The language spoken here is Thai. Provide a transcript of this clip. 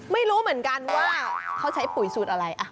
ไม่รู้เหมือนกันว่าเขาใช้ปุ๋ยสูตรอะไร